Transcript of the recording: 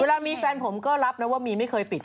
เวลามีแฟนผมก็รับนะว่ามีไม่เคยปิด